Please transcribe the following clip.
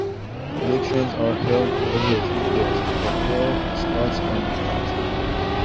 Elections are held every two years for four spots on the Council.